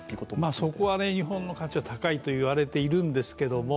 そこは日本の価値は高いといわれているんですけども